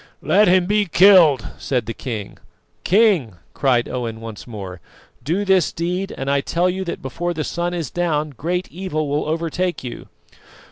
"Let him be killed!" said the king. "King!" cried Owen once more, "do this deed, and I tell you that before the sun is down great evil will overtake you."